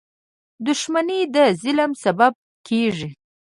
• دښمني د ظلم سبب کېږي.